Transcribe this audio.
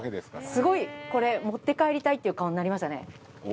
すごいこれ、持って帰りたいっていう顔になりましたね。